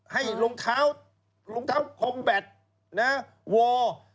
ให้รองเท้าโคมแบตวอล